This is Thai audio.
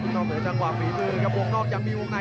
เหนือจังหวะฝีมือครับวงนอกยังมีวงใน